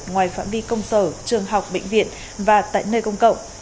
ngoài phạm vi công sở trường học bệnh viện và tại nơi công cộng